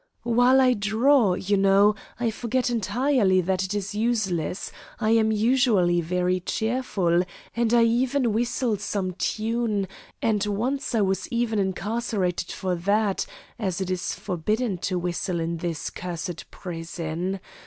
"While I draw, you know, I forget entirely that it is useless; I am usually very cheerful and I even whistle some tune, and once I was even incarcerated for that, as it is forbidden to whistle in this cursed prison.